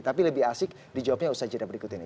tapi lebih asik dijawabnya ustaz cira berikut ini